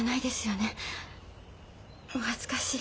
お恥ずかしい。